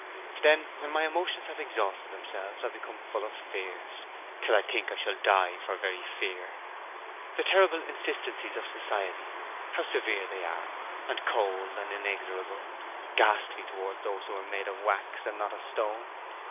"Then, when my emotions have exhausted themselves, I become full of fears, till I think I shall die for very fear. The terrible insistencies of society—how severe they are, and cold and inexorable—ghastly towards those who are made of wax and not of stone.